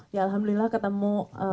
ya alhamdulillah ketemu